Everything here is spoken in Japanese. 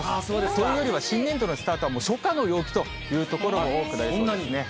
というよりは新年度のスタートは、初夏の陽気という所も多くなりそうなんですね。